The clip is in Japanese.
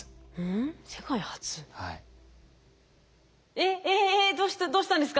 えっえっえっどうしたんですか？